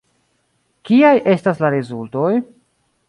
Kiaj estas la rezultoj?